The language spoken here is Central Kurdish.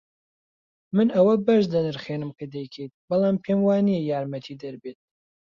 من ئەوە بەرز دەنرخێنم کە دەیکەیت، بەڵام پێم وانییە یارمەتیدەر بێت.